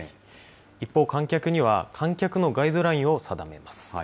一方、観客には観客のガイドラインを定めます。